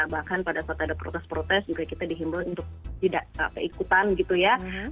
bahkan pada saat ada protes protes juga kita dihimbau untuk tidak keikutan gitu ya